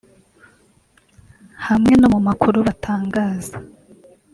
hamwe no mu makuru batangaza